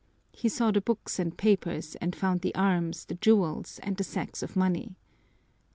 He saw the books and papers and found the arms, the jewels, and the sacks of money.